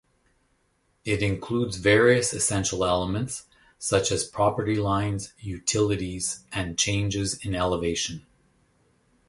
It includes various essential elements such as property lines, utilities, and changes in elevation.